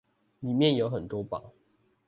裡面有很多寶